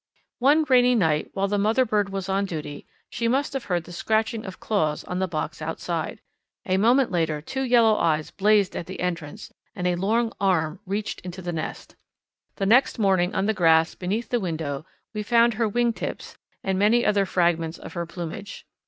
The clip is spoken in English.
One rainy night while the mother bird was on duty she must have heard the scratching of claws on the box outside. A moment later two yellow eyes blazed at the entrance and a long arm reached into the nest. The next morning on the grass beneath the window we found her wing tips and many other fragments of her plumage.